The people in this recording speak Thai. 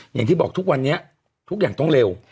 อย่างที่บอกทุกวันนี้ทุกอย่างต้องเร็ว